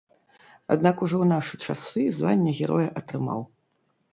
Аднак ужо ў нашы часы звання героя атрымаў.